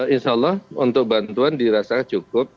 insya allah untuk bantuan dirasa cukup